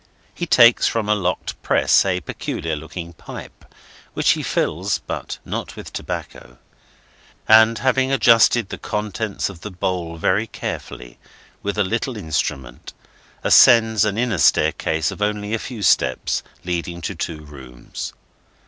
He takes from a locked press a peculiar looking pipe, which he fills—but not with tobacco—and, having adjusted the contents of the bowl, very carefully, with a little instrument, ascends an inner staircase of only a few steps, leading to two rooms.